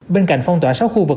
bên cạnh phong tỏa sót khu vực